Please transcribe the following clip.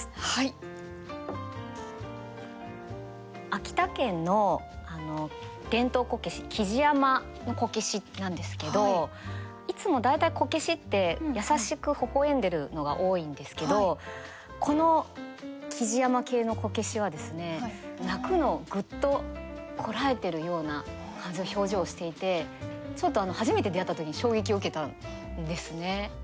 秋田県の伝統こけし木地山のこけしなんですけどいつも大体こけしって優しくほほ笑んでるのが多いんですけどこの木地山系のこけしはですね泣くのをグッとこらえてるような感じの表情をしていてちょっと初めて出会った時に衝撃を受けたんですね。